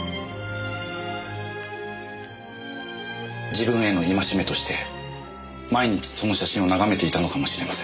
自分への戒めとして毎日その写真を眺めていたのかもしれません。